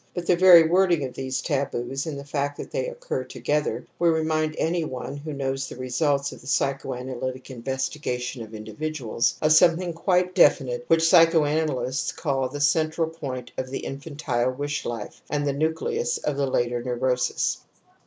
But the very wording of these taboos and the fact that they occur together will remind any one who knows the results of the psychoanalytic investigation, of individuals, of something quite definite which psychoanalysts call th^entral point of the infantile wish life and the nucleus of the later neurosis ^'.